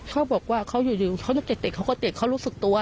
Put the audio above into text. เขาบอกว่าเขาอยู่เขาติดเขารู้สึกตัว